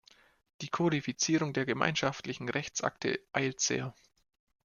Die Kodifizierung der gemeinschaftlichen Rechtsakte eilt sehr.